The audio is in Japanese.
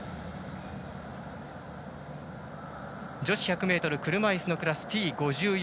女子１００ｍ車いすのクラスＴ５４。